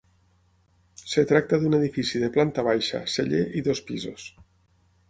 Es tracta d'un edifici de planta baixa, celler i dos pisos.